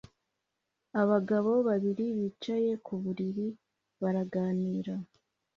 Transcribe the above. Abagabo babiri bicaye ku buriri baraganira